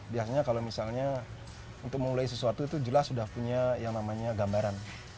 biasanya kalau misalnya untuk memulai sesuatu itu jelas sudah punya yang namanya gambaran